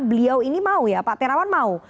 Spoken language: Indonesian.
beliau ini mau ya pak terawan mau